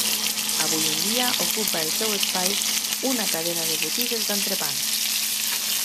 Avui en dia, ocupa el seu espai una cadena de botigues d'entrepans.